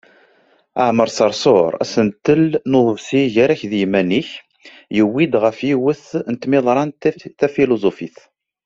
Aɛmaṛ Seṛṣuṛ: Asentel n uḍebsi "Gar-ak d yiman-ik", yewwi-d ɣef yiwet n tmiḍrant tafiluzufit.